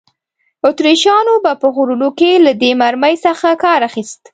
اتریشیانو به په غرونو کې له دې مرمۍ څخه کار اخیست.